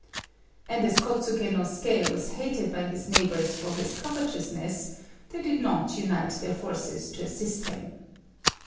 And as Kôtsuké no Suké was hated by his neighbours for his covetousness, they did not unite their forces to assist him.